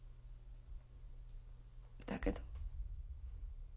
だけど。